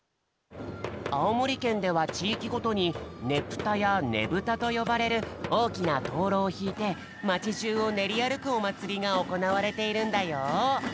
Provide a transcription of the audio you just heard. あおもりけんではちいきごとにねぷたやねぶたとよばれるおおきなとうろうをひいてまちじゅうをねりあるくおまつりがおこなわれているんだよ。